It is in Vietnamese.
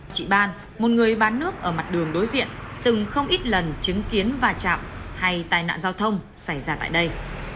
chị ban một người bán nước ở mặt đường đối diện từng không ít lần chứng kiến và chạm hay tai nạn giao thông xảy ra tại đây